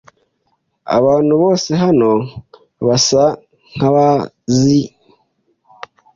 Abantu bose hano basa nkabazi.